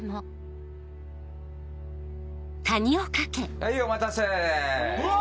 ・はいお待たせ・うわ！